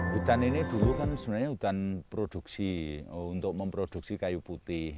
hutan ini dulu kan sebenarnya hutan produksi untuk memproduksi kayu putih